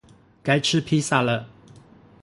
該吃披薩了